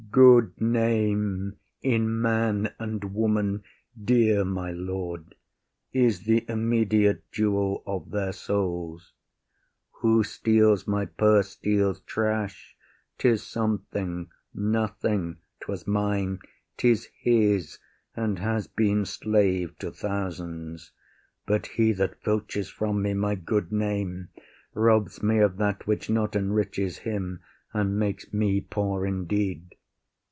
IAGO. Good name in man and woman, dear my lord, Is the immediate jewel of their souls. Who steals my purse steals trash. ’Tis something, nothing; ’Twas mine, ’tis his, and has been slave to thousands. But he that filches from me my good name Robs me of that which not enriches him And makes me poor indeed.